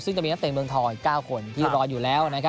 ซึ่งจะมีนักเตะเมืองทอง๙คนที่รออยู่แล้ว